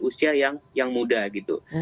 usia yang muda gitu